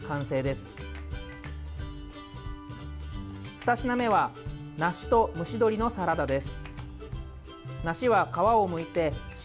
２品目は梨と蒸し鶏のサラダです。